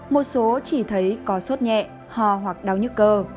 một số chỉ thấy có sốt nhẹ hò hoặc đau nhức cơ